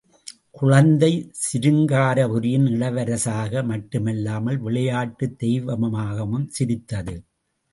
குழந்தை சிருங்காரபுரியின் இளவரசாக மட்டுமல்லாமல், விளையாட்டுடைய தெய்வமாகவும் சிரித்தது!